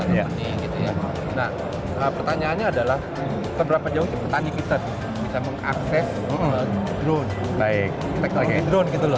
nah pertanyaannya adalah seberapa jauh petani bisa mengakses drone